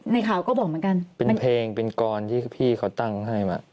ข่าวก็บอกเหมือนกันเป็นเพลงเป็นกรที่พี่เขาตั้งให้มา